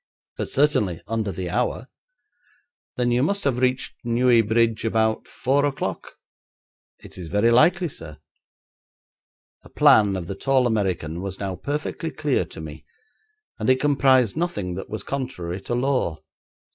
'But certainly, under the hour.' 'Then you must have reached Neuilly bridge about four o'clock?' 'It is very likely, sir.' The plan of the tall American was now perfectly clear to me, and it comprised nothing that was contrary to law.